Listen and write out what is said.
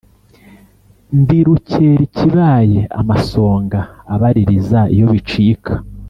Ndi Rukelikibaye amasonga abaliriza iyo bicika